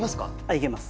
いけます。